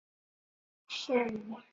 瘰鳞蛇主要进食鱼类。